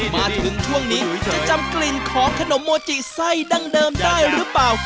มาถึงช่วงนี้จะจำกลิ่นของขนมโมจิไส้ดั้งเดิมได้หรือเปล่า